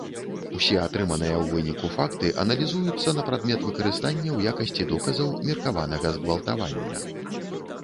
Усе атрыманыя ў выніку факты аналізуюцца на прадмет выкарыстання ў якасці доказаў меркаванага згвалтавання.